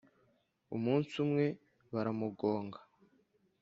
umunsi umwe baramugonga